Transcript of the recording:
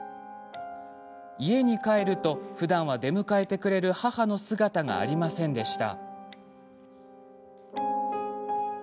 家に帰ると、ふだんは出迎えてくれる母の姿がありませんでした。